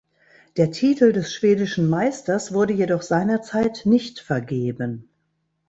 Der Titel des schwedischen Meisters wurde jedoch seinerzeit nicht vergeben.